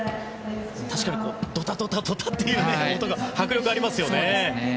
確かにドタドタという音が迫力ありますよね。